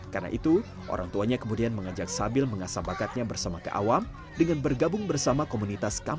karena itu orang tuanya kemudian mengajak sabil mengasah bakatnya bersama kak awam